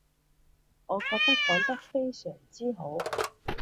我覺得講得非常之好